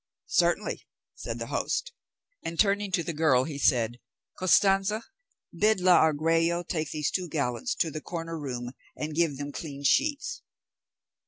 "Certainly," said the host, and turning to the girl he said, "Costanza, bid la Argüello take these two gallants to the corner room, and give them clean sheets."